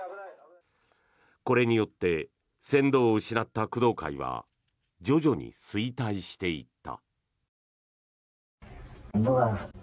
これによって船頭を失った工藤会は徐々に衰退していった。